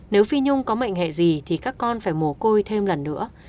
nếu phi nhung có mệnh hệ gì thì các con phải mùa côi thêm lần nữa